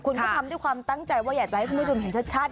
คุณก็ทำด้วยความตั้งใจว่าอยากจะให้คุณผู้ชมเห็นชัด